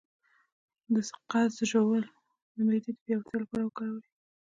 د سقز ژوول د معدې د پیاوړتیا لپاره وکاروئ